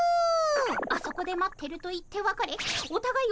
「あそこで待ってる」と言ってわかれおたがい